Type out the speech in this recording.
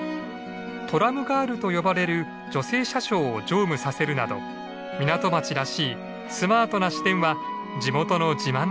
「トラムガール」と呼ばれる女性車掌を乗務させるなど港町らしいスマートな市電は地元の自慢でした。